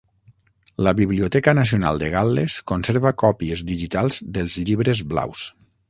La Biblioteca Nacional de Gal·les conserva còpies digitals dels llibres blaus.